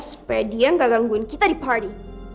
supaya dia nggak gangguin kita di pari